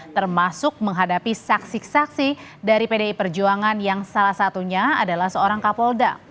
termasuk menghadapi saksi saksi dari pdi perjuangan yang salah satunya adalah seorang kapolda